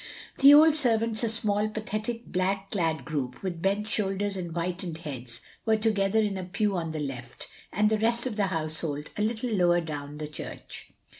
The old servants, a small pathetic black clad group, with bent shoulders and whitened heads, were together in a pew on the left, and the rest of the household a little lower down the church.